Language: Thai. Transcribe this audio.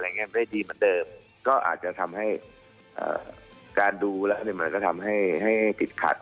น๑๕๐๐กิจกรรมก็อาจจะทำให้เรียนผิดคัส